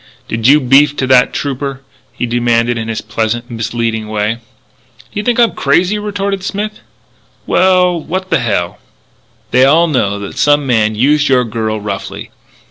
"Did you beef to that trooper?" he demanded in his pleasant, misleading way. "Do you think I'm crazy?" retorted Smith. "Well, what the hell " "They all know that some man used your girl roughly.